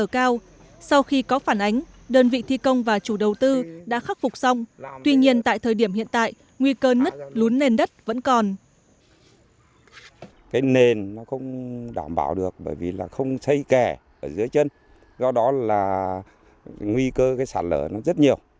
cái nền nó không đảm bảo được bởi vì là không xây kẻ ở dưới chân do đó là nguy cơ cái sạt lở nó rất nhiều